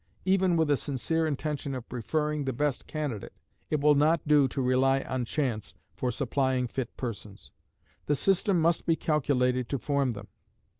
Even with a sincere intention of preferring the best candidate, it will not do to rely on chance for supplying fit persons. The system must be calculated to form them.